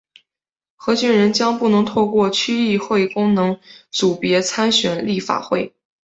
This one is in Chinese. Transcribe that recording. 何俊仁将不能透过区议会功能组别参选立法会。